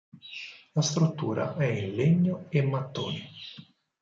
La struttura è in legno e mattoni.